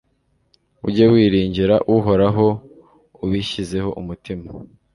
ujye wiringira uhoraho ubishyizeho umutima